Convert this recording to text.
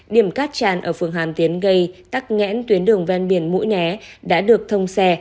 điểm cát tràn ở phường hàm tiến gây tắc nghẽn tuyến đường ven biển mũi né đã được thông xe